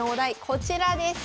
こちらです！